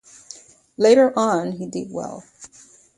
Later on he did well.